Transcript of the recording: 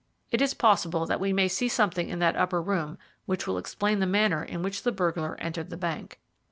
It is possible that we may see something in that upper room which will explain the manner in which the burglar entered the bank."